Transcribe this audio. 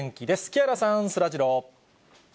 木原さん、そらジロー。